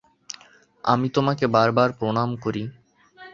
আমি তোমাকে বারবার প্রণাম করি।